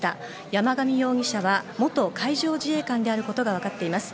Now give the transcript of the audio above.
山上容疑者は元海上自衛官であることが分かっています。